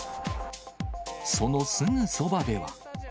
そのすぐそばでは。